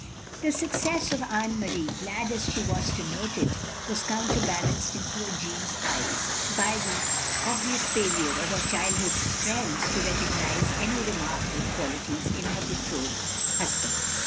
The succis of Anne Marie, glad as she was to note it, was cotinterbalanced in poor Jeanne's eyes by the obvious failure of her childhood's friends to recognise any renmrkable qualities in her betrothed husband.